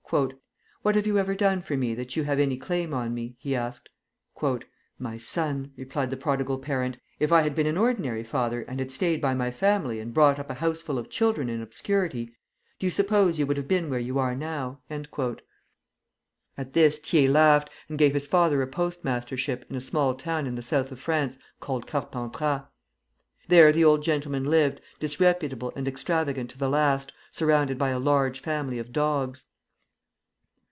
"What have you ever done for me that you have any claim on me?" he asked. "My son," replied the prodigal parent, "if I had been an ordinary father and had stayed by my family and brought up a houseful of children in obscurity, do you suppose you would have been where you are now?" At this Thiers laughed, and gave his father a post mastership in a small town in the South of France called Carpentras. There the old gentleman lived, disreputable and extravagant to the last, surrounded by a large family of dogs.